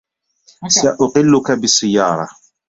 سأقلّك بالسيارة.